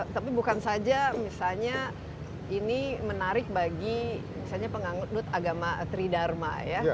tapi bukan saja misalnya ini menarik bagi misalnya penganggut agama tridharma ya